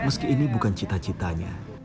meski ini bukan cita citanya